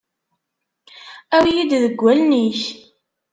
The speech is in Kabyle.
Awi-yi-d deg wallen-ik.